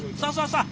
さあ